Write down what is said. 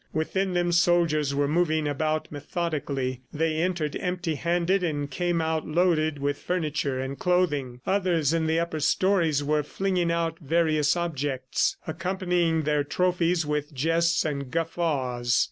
Within them soldiers were moving about methodically. They entered empty handed and came out loaded with furniture and clothing. Others, in the upper stories, were flinging out various objects; accompanying their trophies with jests and guffaws.